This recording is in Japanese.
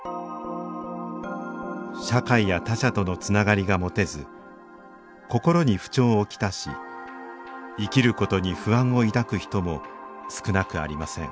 社会や他者とのつながりが持てずこころに不調を来し生きることに不安を抱く人も少なくありません